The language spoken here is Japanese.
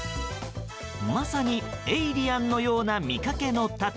まさにエイリアンのような見かけのタコ。